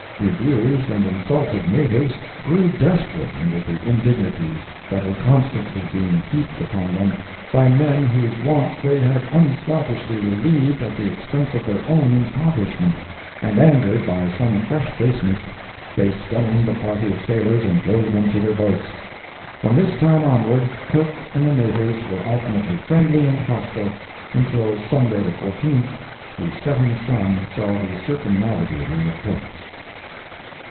The abused and insulted natives grew desperate under the indignities that were constantly being heaped upon them by men whose wants they had unselfishly relieved at the expense of their own impoverishment, and angered by some fresh baseness, they stoned a party of sailors and drove them to their boats. From this time onward Cook and the natives were alternately friendly and hostile until Sunday the 14th, whose setting sun saw the circumnavigator a corpse.